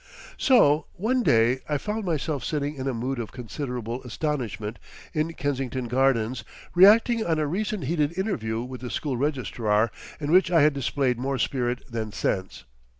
So one day I found myself sitting in a mood of considerable astonishment in Kensington Gardens, reacting on a recent heated interview with the school Registrar in which I had displayed more spirit than sense.